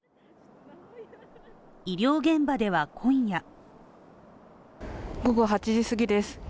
医療現場では今夜午後８時過ぎです。